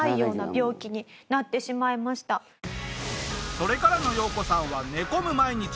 それからのヨウコさんは寝込む毎日。